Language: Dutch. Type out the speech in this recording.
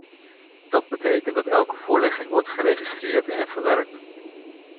Dat betekent dat elke voorlegging wordt geregistreerd en verwerkt.